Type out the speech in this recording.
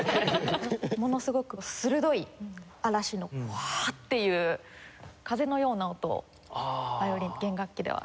ものすごく鋭い嵐のファッていう風のような音をヴァイオリン弦楽器では表現しています。